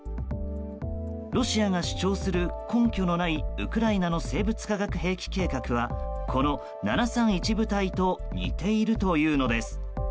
ロシアが主張する、根拠のないウクライナの生物化学兵器計画はこの７３１部隊と似ているというのです。